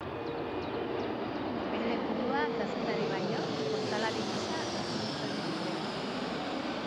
Bere burua kazetari baino, kontalari gisa definitzen du berak.